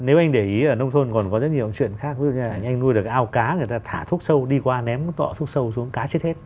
nếu anh để ý ở nông thôn còn có rất nhiều chuyện khác ví dụ như là anh nuôi được cái ao cá người ta thả thuốc sâu đi qua ném cọ thuốc sâu xuống cá chết hết